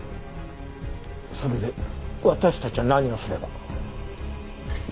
それで私たちは何をすれば？